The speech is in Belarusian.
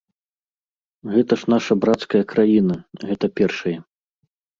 Гэта ж наша брацкая краіна, гэта першае.